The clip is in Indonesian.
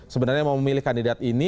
sebenarnya mau memilih kandidat ini